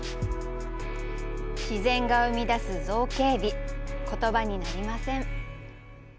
自然が生み出す造形美言葉になりません。